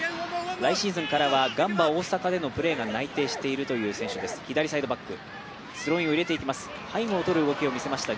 来シーズンからはガンバ大阪でのプレーが内定している左サイドバック。